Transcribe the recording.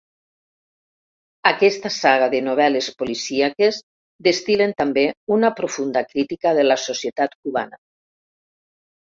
Aquesta saga de novel·les policíaques destil·len també una profunda crítica de la societat cubana.